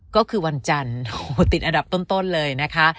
ก็คือวันจันทร์ติดอันดับต้นเลยนะคะ